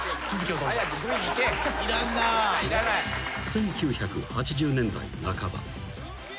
［１９８０年代半ば］